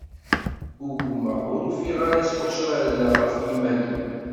Ggugmeɣ, ur ufiɣ ara s wacu ara rreɣ ɣef yiman-iw.